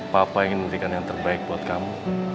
papa ingin memberikan yang terbaik buat kamu